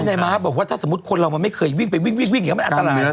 คุณให้มาบอกว่าถ้าสมมติคนเราไม่เคยวิ่งไปวิ่งมันอันตราย